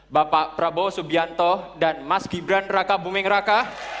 bapak prabowo subianto dan mas gibran raka buming raka